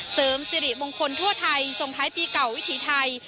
เสริมสิริมงคลทั่วไทยส่งท้ายปีเก่าวิถีไทย